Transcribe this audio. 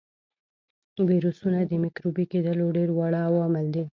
ویروسونه د مکروبي کېدلو ډېر واړه عوامل دي.